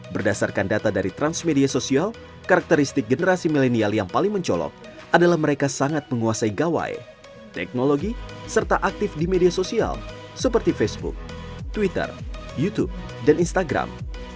berdasarkan data dari transmedia sosial karakteristik generasi milenial yang paling mencolok adalah mereka sangat menguasai gawai teknologi serta aktif di media sosial seperti facebook twitter youtube dan instagram